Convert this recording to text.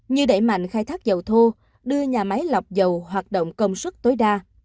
như đẩy mạnh khai thác dầu thô đưa nhà máy lọc dầu hoạt động công suất tối đa